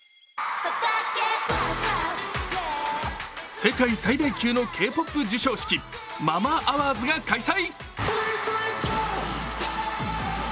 世界最大級のＫ−ＰＯＰ授賞式、ＭＡＭＡＡＷＡＲＤＳが開催。